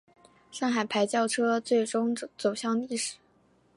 上海牌轿车最终走向历史。